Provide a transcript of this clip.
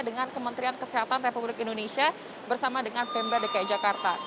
dengan kementerian kesehatan republik indonesia bersama dengan pemda dki jakarta